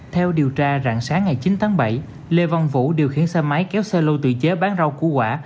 theo điều tra rạng sáng ngày chín tháng bảy lê văn vũ điều khiển xe máy kéo xe lô tự chế bán rau củ quả